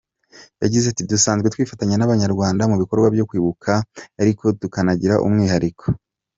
Yagize ati “Dusanzwe twifatanya n’abanyarwanda mu bikorwa byo kwibuka ariko tukanagira umwihariko.